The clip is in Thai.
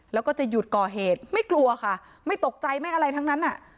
แล้วก็จะหยุดก่อเหตุไม่กลัวค่ะไม่ตกใจไม่อะไรทั้งนั้นอ่ะ